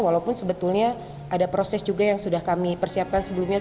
walaupun sebetulnya ada proses juga yang sudah kami persiapkan sebelumnya